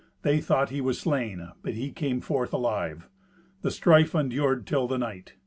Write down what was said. They thought he was slain, but he came forth alive. The strife endured till the night.